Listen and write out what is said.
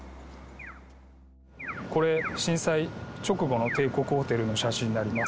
これ、震災直後の帝国ホテルの写真になります。